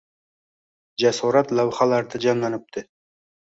Jasorat lavhalarda jamlanibdi.